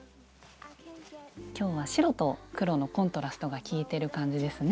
今日は白と黒のコントラストがきいてる感じですね。